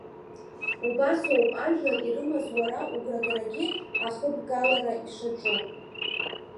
Убасоуп, ажәлар ирымаз уара угәрагарагьы ахыбгалара ишаҿу!